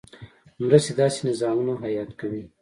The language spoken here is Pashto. مرستې داسې نظامونه حیات کوي.